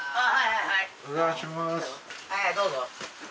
はいはいどうぞ。